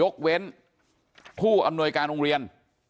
ยกเว้นผู้อำนวยการโรงเรียน